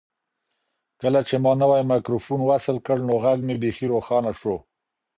کله چې ما نوی مایکروفون وصل کړ نو غږ مې بیخي روښانه شو.